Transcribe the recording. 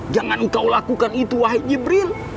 jangan engkau lakukan itu wahai nyebril